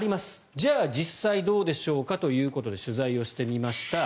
じゃあ、実際どうでしょうかということで取材をしてみました。